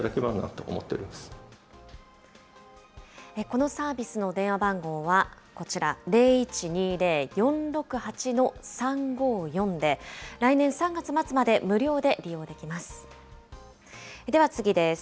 このサービスの電話番号はこちら、０１２０ー４６８ー３５４で、来年３月末まで無料で利用できます。